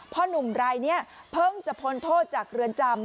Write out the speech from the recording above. หนุ่มรายนี้เพิ่งจะพ้นโทษจากเรือนจำ